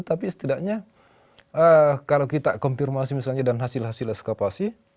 tapi setidaknya kalau kita konfirmasi misalnya dan hasil hasil eskapasi